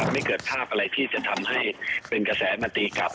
ไม่เกิดภาพอะไรที่จะทำให้เป็นกระแสมาตีกลับ